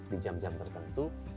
di jam jam tertentu